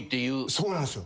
そうなんですよ。